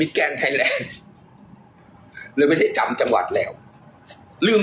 มิตรแกรงไทยและเลยไม่ได้จำจังหวัดแล้วลืม